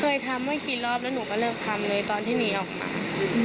เคยทำไม่กี่รอบแล้วหนูก็เลิกทำเลยตอนที่หนีออกมา